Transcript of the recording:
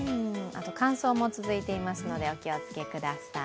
乾燥も続いていますので、お気をつけください。